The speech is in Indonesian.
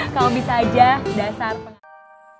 kalo bisa aja dasar pengen